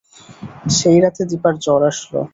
সেই রাতে দিপার জ্বর আসল।